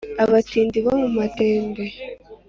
abatindi bo mu mutende